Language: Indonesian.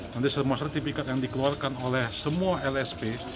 nanti semua sertifikat yang dikeluarkan oleh semua lsp